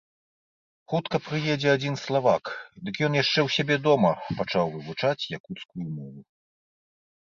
Хутка прыедзе адзін славак, дык ён яшчэ ў сябе дома пачаў вывучаць якуцкую мову.